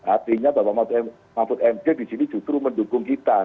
artinya bapak mahfud mb disini justru mendukung kita